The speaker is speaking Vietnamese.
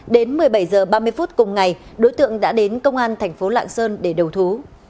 đến một mươi bảy h ba mươi phút cùng ngày đối tượng đã đến công an thành phố lạng sơn để đầu thú